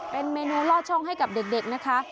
เป็นเมนูลอดช่องให้กับเด็กนะคะ